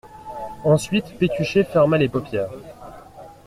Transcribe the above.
Ensuite Pécuchet ferma les paupières.